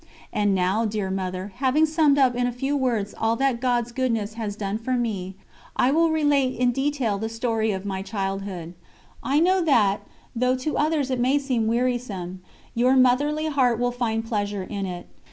And now, dear Mother, having summed up in a few words all that God's goodness has done for me, I will relate in detail the story of my childhood. I know that, though to others it may seem wearisome, your motherly heart will find pleasure in it.